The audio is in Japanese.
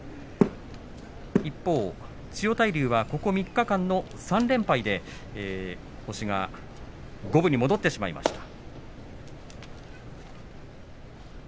一方、千代大龍はここ３日間の３連敗で星が五分に戻ってしまいました。